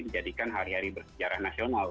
menjadikan hari hari bersejarah nasional